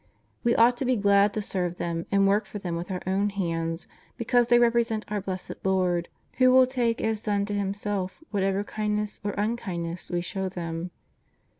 We ought to be glad to serve them and work for them with our own hands, because they repre sent our Blessed Lord who will take as done to Himself whatever kindness or unkindness we show them.